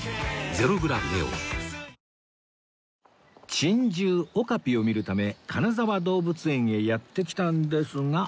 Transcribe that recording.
珍獣オカピを見るため金沢動物園へやって来たんですが